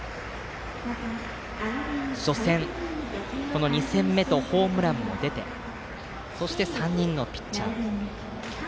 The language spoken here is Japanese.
初戦、２戦目とホームランも出てそして３人のピッチャー。